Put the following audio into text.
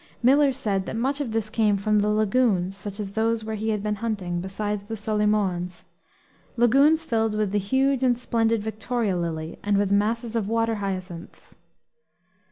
Miller said that much of this came from the lagoons such as those where he had been hunting, beside the Solimoens lagoons filled with the huge and splendid Victoria lily, and with masses of water hyacinths.